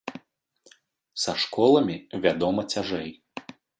Са школамі, вядома, цяжэй.